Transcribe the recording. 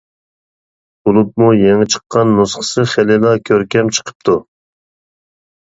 بولۇپمۇ يېڭى چىققان نۇسخىسى خېلىلا كۆركەم چىقىپتۇ.